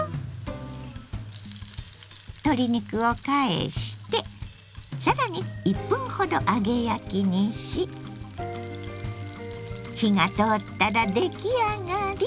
鶏肉を返して更に１分ほど揚げ焼きにし火が通ったら出来上がり！